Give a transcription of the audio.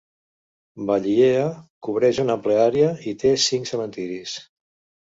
Ballyhea cobreix una àmplia àrea i té cinc cementiris.